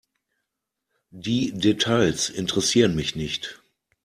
Die Details interessieren mich nicht.